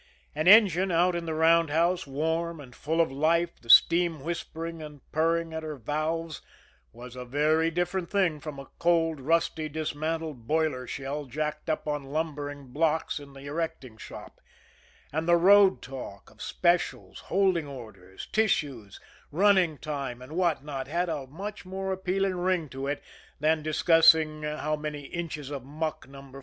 An engine out in the roundhouse, warm and full of life, the steam whispering and purring at her valves, was a very different thing from a cold, rusty, dismantled boiler shell jacked up on lumbering blocks in the erecting shop; and the road talk of specials, holding orders, tissues, running time and what not had a much more appealing ring to it than discussing how many inches of muck No.